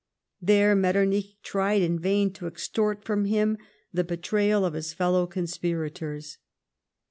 There Metternich tried in vain to extort from him the betrayal of his fellow conspirators."